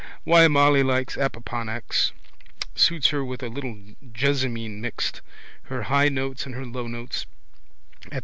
Why Molly likes opoponax. Suits her, with a little jessamine mixed. Her high notes and her low notes.